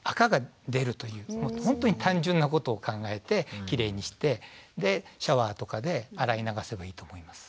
ほんとに単純なことを考えてキレイにしてでシャワーとかで洗い流せばいいと思います。